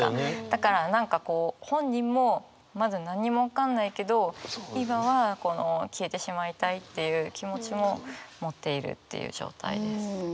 だから何かこう本人もまだ何も分かんないけど今はこの消えてしまいたいっていう気持ちも持っているっていう状態です。